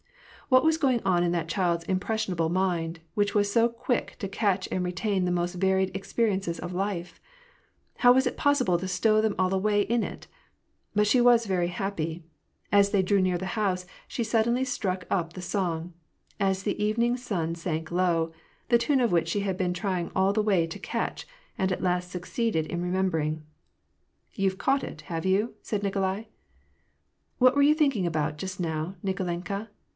What was going on in that child's impressionable mind, which was so quick to catch and retain the most varied expe riences of life ? How was it possible to stow them all away in it? But she Avas very happy. ^ As they drew near the house, she suddenly struck up the song, " As the evening sun sank low," the tune of which she had been trying all the way to catch, and at last succeeded in remembering. "You've caught it, have you ?" said Nikolai. "What were you thinking about just now, Nikolenka?"